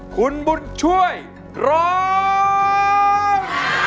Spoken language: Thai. คุณบุญช่วยร้อง